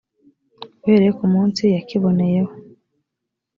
uhereye ku munsi yakiboneyeho